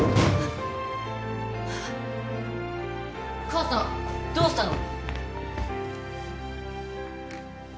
母さんどうしたの！？